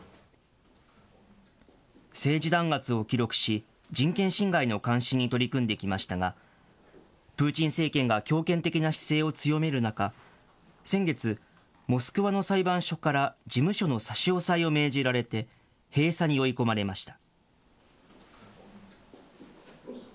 政治弾圧を記録し、人権侵害の監視に取り組んできましたが、プーチン政権が強権的な姿勢を強める中、先月、モスクワの裁判所から、事務所の差し押さえを命じられて、閉鎖に追い込まれました。